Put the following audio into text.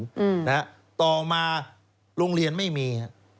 การสนับสนุนต่อมาโรงเรียนไม่มี